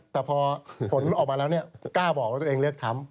แต่พอผลออกมาแล้วกล้าบอกว่าตัวเองเลือกทำ